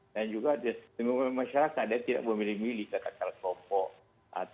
dan juga di tengah tengah masyarakat dia tidak memilih milih saya katakan